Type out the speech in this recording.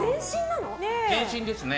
全身ですね。